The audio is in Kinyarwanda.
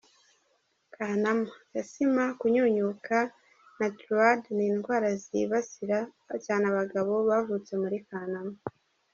Kanama: Asthma, kunyunyuka na Thyroïde ni indwara zibasira cyane abagabo bavutse muri Kanama.